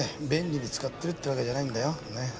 便利に使ってるってわけじゃないんだよ。ね。